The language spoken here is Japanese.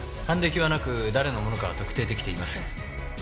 犯歴はなく誰のものかは特定出来ていません。